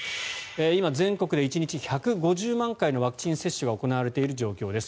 今、全国で１日１５０万回のワクチン接種が行われている状況です。